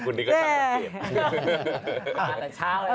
คนนี้ก็ช่างกับเกษ